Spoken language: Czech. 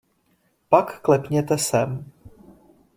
Pak klepněte sem.